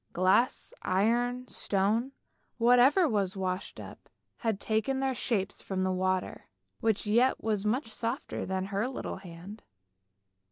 Glass, iron, stone, whatever was washed up, had taken their shapes from the water, which yet was much softer than her little hand.